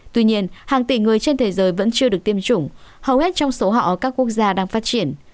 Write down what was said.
tuy nhiên hàng tỷ người trên thế giới vẫn chưa được tiêm chủng hầu hết trong số họ các quốc gia đang phát triển